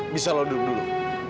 bisa lo duduk dulu